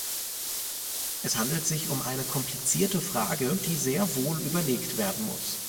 Es handelt sich um eine komplizierte Frage, die sehr wohl überlegt werden muss.